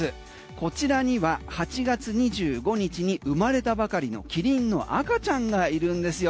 こちらには８月２５日に生まれたばかりのキリンの赤ちゃんがいるんですよ。